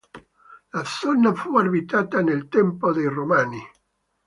La zona fu abitata nel tempo dei Romani.